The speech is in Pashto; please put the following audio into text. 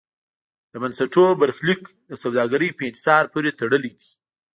د بنسټونو برخلیک د سوداګرۍ په انحصار پورې تړلی و.